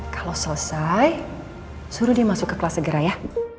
kalau selesai suruh dia masuk ke kelas segera ya